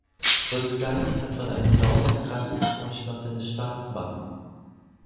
Rückseitig das von einem Lorbeerkranz umschlossene Staatswappen.